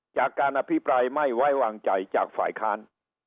จากการอภิปรายไม่ไว้วางใจจากฝ่ายค้าน